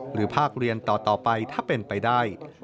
ภาคเรียนต่อไปถ้าเป็นไปได้